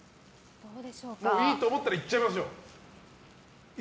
いいと思ったらいっちゃいましょう。